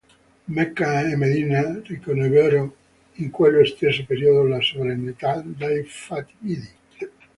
Mecca e Medina riconobbero in quello stesso periodo la sovranità dei Fatimidi.